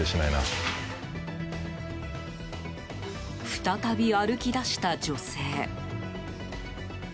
再び歩き出した女性。